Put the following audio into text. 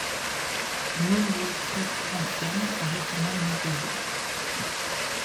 Nombreuses fresques anciennes récemment mises au jour.